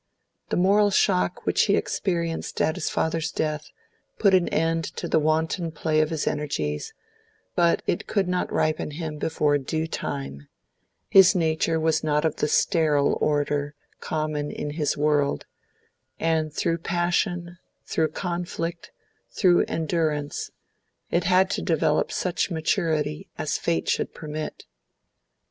The moral shock which he experienced at his father's death put an end to the wanton play of his energies, but it could not ripen him before due time; his nature was not of the sterile order common in his world, and through passion, through conflict, through endurance, it had to develop such maturity as fate should permit.